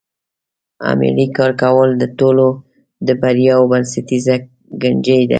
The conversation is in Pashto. عملي کار کول د ټولو بریاوو بنسټیزه کنجي ده.